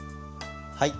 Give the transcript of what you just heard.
はい。